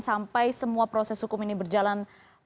sampai semua proses hukum ini berjalan